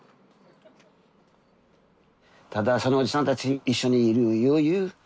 ただそのおじさんたち一緒にいる余裕